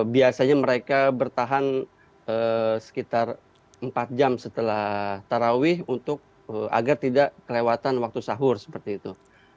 biasanya mereka bertahan sekitar empat jam setelah tarawih agar tidak kelewatan waktu sahur seperti itu